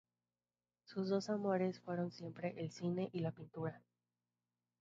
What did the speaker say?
Sus dos amores fueron siempre el cine y la pintura.